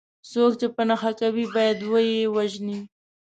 څوک چې په نښه کوي باید وه یې وژني.